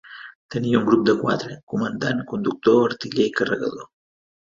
Tenia un grup de quatre: comandant, conductor, artiller i carregador.